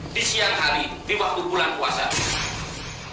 di siang hari di waktu bulan puasa